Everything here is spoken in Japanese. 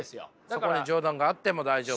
そこに冗談があっても大丈夫。